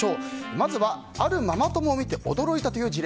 まずはあるママ友を見て驚いたという事例。